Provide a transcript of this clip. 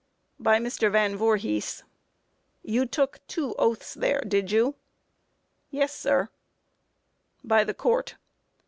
By MR. VAN VOORHIS: Q. You took the two oaths there, did you? A. Yes, sir. By THE COURT: Q.